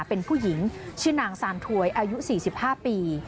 เป็นผู้หญิงชื่อนางซานถวยอายุ๔๕ปี